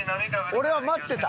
俺は待ってた。